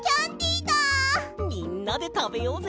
みんなでたべようぜ。